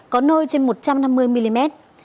có nơi trên một trăm năm mươi mm